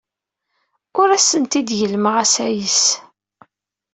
Ur asent-d-gellmeɣ asayes.